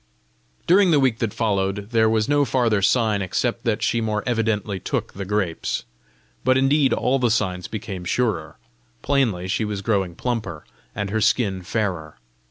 During the week that followed, there was no farther sign except that she more evidently took the grapes. But indeed all the signs became surer: plainly she was growing plumper, and her skin fairer.